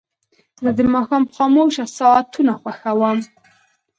زه د ماښام خاموشه ساعتونه خوښوم.